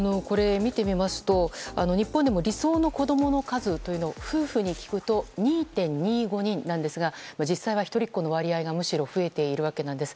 日本でも理想の子供の数を夫婦に聞くと２．２５人ですが実際は一人っ子の割合が増えているわけなんです。